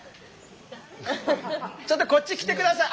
ちょっとこっち来て下さい！